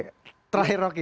oke terakhir rocky